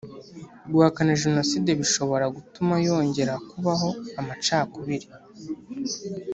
guhakana jenoside bishobora gutuma yongera kubaho amacakubiri